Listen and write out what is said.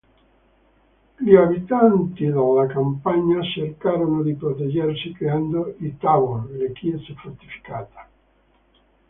Gli abitanti della campagna cercarono di proteggersi creando i "Tabor", le chiese fortificate.